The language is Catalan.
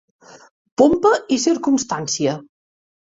Pompa i circumstància